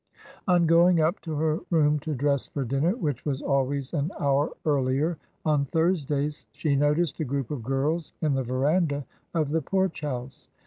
On going up to her room to dress for dinner, which was always an hour earlier on Thursdays, she noticed a group of girls in the verandah of the Porch House.